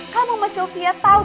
kamu tante sylvia tau